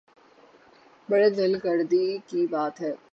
بڑے دل گردے کی بات ہے۔